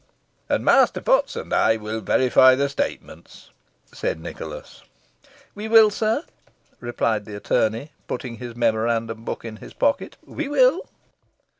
"And Master Potts and I will verify the statements," said Nicholas. "We will, sir," replied the attorney, putting his memorandum book in his pocket. "We will."